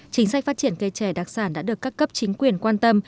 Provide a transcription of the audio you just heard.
chính sách phát triển cây trẻ đặc sản đã được các cấp chính quyền quan tâm